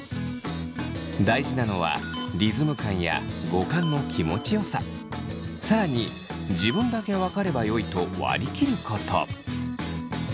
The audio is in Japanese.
大事なのはリズム感や語感の気持ちよさ更に自分だけわかればよいと割り切ること。